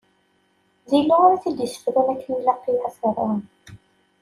D Illu ara t-id-issefrun akken ilaq i Ferɛun.